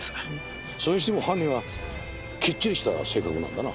それにしても犯人はきっちりした性格なんだな。